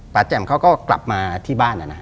แจ่มเขาก็กลับมาที่บ้าน